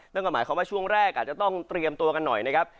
นั่นก็หมายความว่าช่วงแรกอาจจะต้องเตรียมตัวกันหน่อยนะครับ